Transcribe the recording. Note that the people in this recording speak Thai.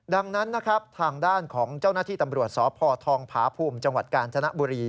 ดังนั้นทางด้านของเจ้าหน้าที่ตำรวจสธภาภูมิจังหวัดกาญษณะบุรี